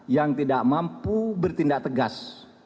yang tidak mampu bertindak tegas